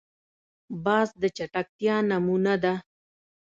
باز د چټکتیا نمونه ده